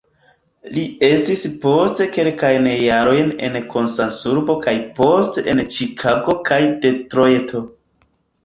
Li estis poste kelkajn jarojn en Kansasurbo kaj poste en Ĉikago kaj Detrojto.